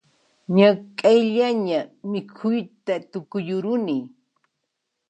Ñak'ayllaña mikhuyta tukuyuruni